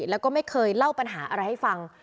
แล้วก็ไม่เคยเล่าปัญหาอะไรให้ฟัง